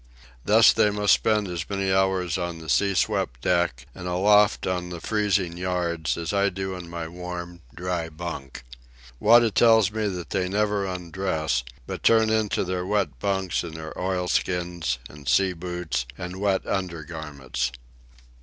Thus, they must spend as many hours on the sea swept deck and aloft on the freezing yards as I do in my warm, dry bunk. Wada tells me that they never undress, but turn into their wet bunks in their oil skins and sea boots and wet undergarments.